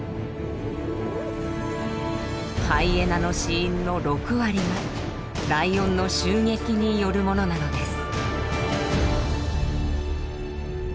ハイエナの死因の６割がライオンの襲撃によるものなのです。